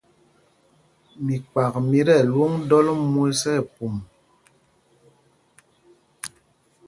Mikpak mí tí ɛlwôŋ ɗɔl mwes nɛ pum.